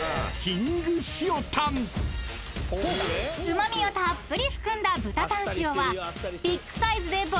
［うま味をたっぷり含んだ豚タン塩は］